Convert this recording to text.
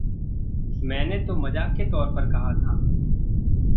मैंने तो मज़ाक के तौर पर कहा था।